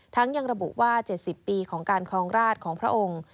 ยังระบุว่า๗๐ปีของการครองราชของพระองค์